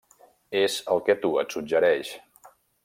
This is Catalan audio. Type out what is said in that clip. És el que a tu et suggereix.